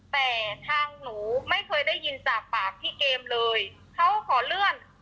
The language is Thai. แต่ทางหนูไม่เคยได้ยินจากปากพี่เกมเลยเขาขอเลื่อน